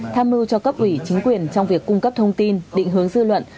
tham mưu cho cấp ủy chính quyền trong việc cung cấp thông tin định hướng dư luận